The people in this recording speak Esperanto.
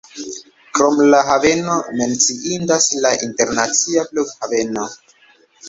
Krom la haveno menciindas la internacia flughaveno.